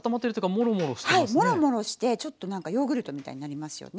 もろもろしてちょっと何かヨーグルトみたいになりますよね。